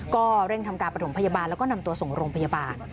ก็เร่งทำการประถมพยาบาลแล้วก็นำตัวส่งโรงพยาบาล